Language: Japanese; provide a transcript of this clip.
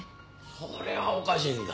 これはおかしいんだ。